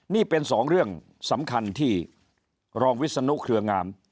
นี่เป็นสองเรื่องสำคัญที่รองวิศนุเครืองาม